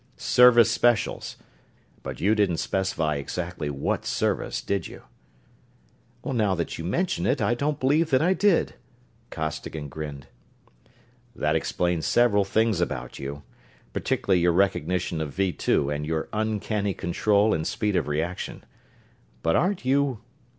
'Service Specials' but you didn't specify exactly what Service, did you?" "Now that you mention it, I don't believe that I did," Costigan grinned. "That explains several things about you particularly your recognition of Vee Two and your uncanny control and speed of reaction. But aren't you...."